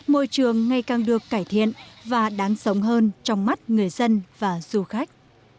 môi trường ngày càng được cải thiện và đáng sống hơn trong mắt người dân và du khách